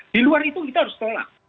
di luar itu kita harus tolak